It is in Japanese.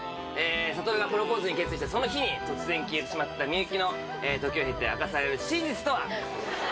悟がプロポーズを決意したその日に突然消えてしまったみゆきの時を経て明かされる真実とは？